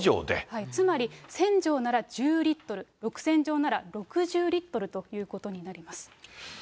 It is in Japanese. つまり、１０００錠なら１０リットル、６０００錠なら６０リットルということになります。